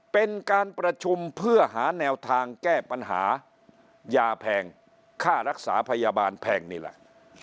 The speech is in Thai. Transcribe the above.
เป็นการประชุมเพื่อหาแนวทางแก้ปัญหายาแพงค่ารักษาพยาบาลแพงนี่แหละ